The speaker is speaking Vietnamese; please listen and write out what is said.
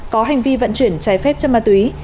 có hành vi vận chuyển trái phép chất ma túy